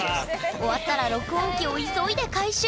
終わったら録音機を急いで回収。